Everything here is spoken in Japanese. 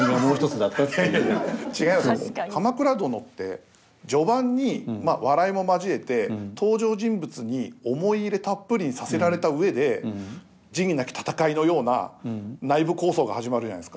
「鎌倉殿」って序盤に笑いも交えて登場人物に思い入れたっぷりにさせられた上で「仁義なき戦い」のような内部抗争が始まるじゃないですか。